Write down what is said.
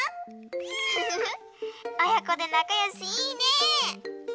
フフフおやこでなかよしいいね！